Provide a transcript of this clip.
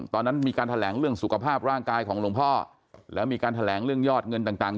ตอนนั้นมีการแถลงเรื่องสุขภาพร่างกายของหลวงพ่อแล้วมีการแถลงเรื่องยอดเงินต่าง